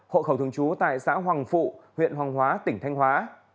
hộ khẩu thường trú tại xã hoàng phụ huyện hoàng hóa tỉnh thanh hóa